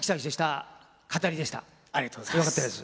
ありがとうございます。